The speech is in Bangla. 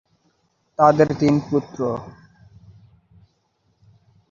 তাদের তিন পুত্র।